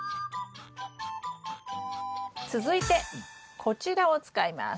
続いてこちらを使います。